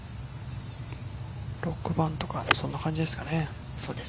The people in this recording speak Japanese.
６番とか、そんな感じですかね。